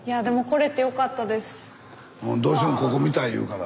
どうしてもここ見たい言うから。